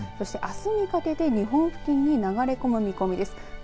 そして、あすにかけて日本付近に流れ込む見込みです。